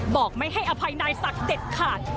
บอกไม่ให้อภัยนายศักดิ์เด็ดขาด